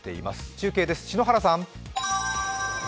中継です、篠原さん。